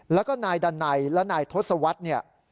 แล้วก็นายดันไนและนายทศวรรษเนี่ย